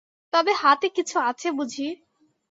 তবে হাতে কিছু আছে বুঝি!